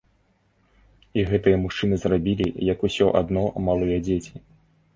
І гэтыя мужчыны зрабілі, як усё адно малыя дзеці.